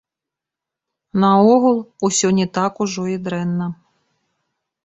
Наогул, усё не так ужо і дрэнна.